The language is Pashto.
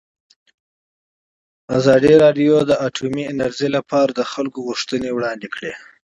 ازادي راډیو د اټومي انرژي لپاره د خلکو غوښتنې وړاندې کړي.